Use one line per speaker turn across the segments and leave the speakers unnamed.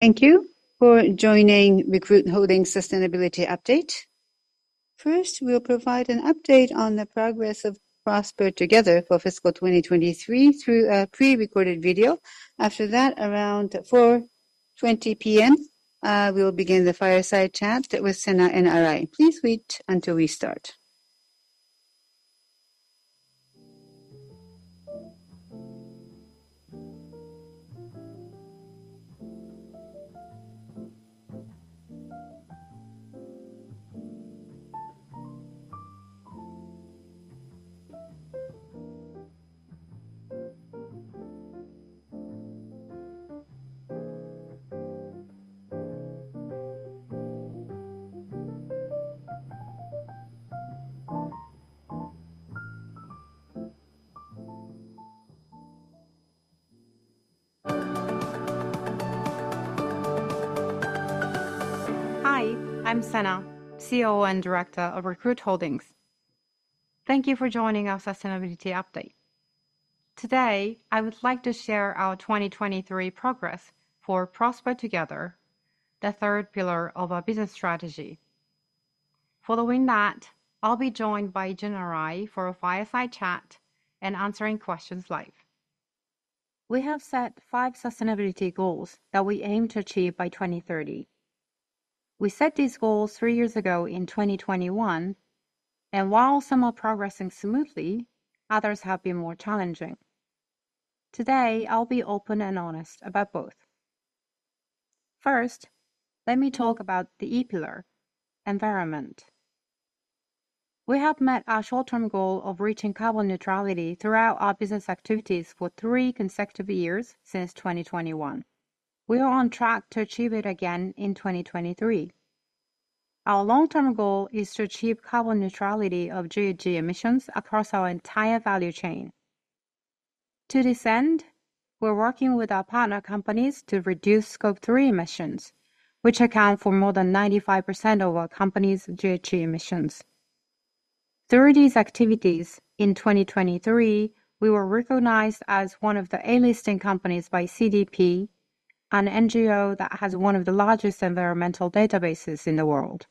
Thank you for joining Recruit Holdings Sustainability Update. First, we'll provide an update on the progress of Prosper Together for fiscal 2023 through a pre-recorded video. After that, around 4:20 P.M., we will begin the fireside chat with Senaha and Arai. Please wait until we start.
Hi, I'm Senaha, CEO and Director of Recruit Holdings. Thank you for joining our sustainability update. Today, I would like to share our 2023 progress for Prosper Together, the third pillar of our business strategy. Following that, I'll be joined by Jun Arai for a fireside chat and answering questions live. We have set five sustainability goals that we aim to achieve by 2030. We set these goals three years ago in 2021, and while some are progressing smoothly, others have been more challenging. Today, I'll be open and honest about both. First, let me talk about the E pillar, environment. We have met our short-term goal of reaching carbon neutrality throughout our business activities for three consecutive years since 2021. We are on track to achieve it again in 2023. Our long-term goal is to achieve carbon neutrality of GHG emissions across our entire value chain. To this end, we're working with our partner companies to reduce Scope 3 emissions, which account for more than 95% of our company's GHG emissions. Through these activities, in 2023, we were recognized as one of the A List companies by CDP, an NGO that has one of the largest environmental databases in the world.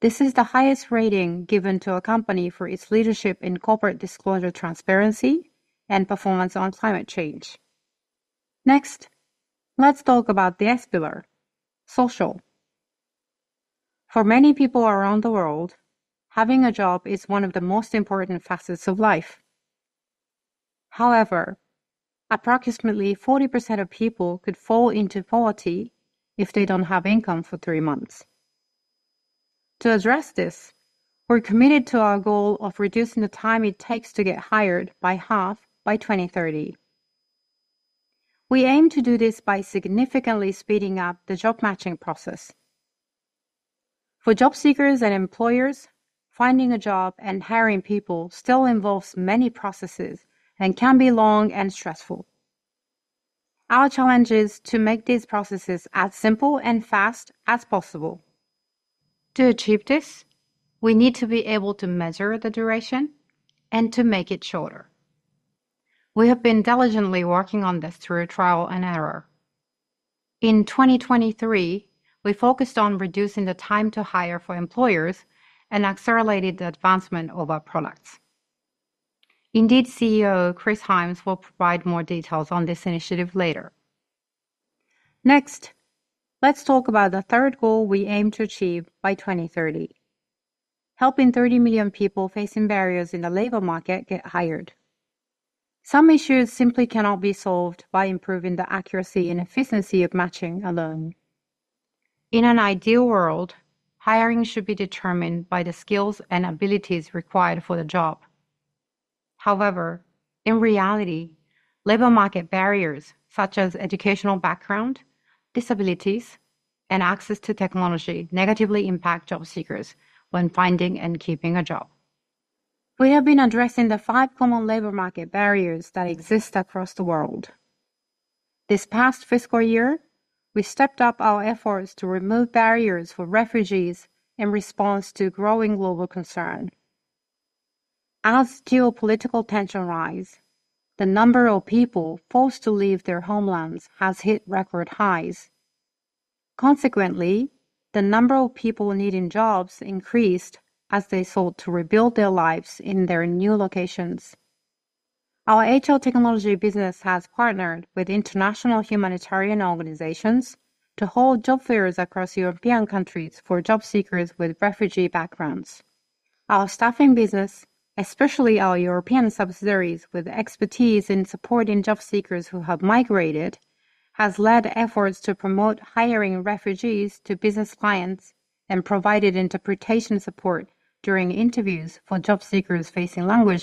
This is the highest rating given to a company for its leadership in corporate disclosure, transparency, and performance on climate change. Next, let's talk about the S pillar, social. For many people around the world, having a job is one of the most important facets of life. However, approximately 40% of people could fall into poverty if they don't have income for three months. To address this, we're committed to our goal of reducing the time it takes to get hired by half by 2030. We aim to do this by significantly speeding up the job matching process. For job seekers and employers, finding a job and hiring people still involves many processes and can be long and stressful. Our challenge is to make these processes as simple and fast as possible. To achieve this, we need to be able to measure the duration and to make it shorter. We have been diligently working on this through trial and error. In 2023, we focused on reducing the time to hire for employers and accelerated the advancement of our products. Indeed CEO Chris Hyams will provide more details on this initiative later. Next, let's talk about the third goal we aim to achieve by 2030, helping 30 million people facing barriers in the labor market get hired. Some issues simply cannot be solved by improving the accuracy and efficiency of matching alone. In an ideal world, hiring should be determined by the skills and abilities required for the job. However, in reality, labor market barriers such as educational background, disabilities, and access to technology negatively impact job seekers when finding and keeping a job. We have been addressing the five common labor market barriers that exist across the world. This past fiscal year, we stepped up our efforts to remove barriers for refugees in response to growing global concern. As geopolitical tension rise, the number of people forced to leave their homelands has hit record highs. Consequently, the number of people needing jobs increased as they sought to rebuild their lives in their new locations. Our HR technology business has partnered with international humanitarian organizations to hold job fairs across European countries for job seekers with refugee backgrounds. Our staffing business, especially our European subsidiaries with expertise in supporting job seekers who have migrated, has led efforts to promote hiring refugees to business clients and provided interpretation support during interviews for job seekers facing language barriers.